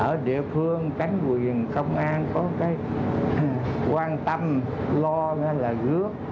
ở địa phương cánh quyền công an có cái quan tâm lo là rước